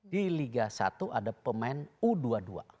di liga satu ada pemain u dua puluh dua